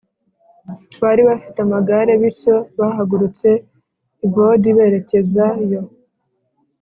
Bari bafite amagare bityo bahagurutse i bod berekeza yo